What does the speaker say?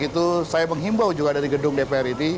itu saya menghimbau juga dari gedung dpr ini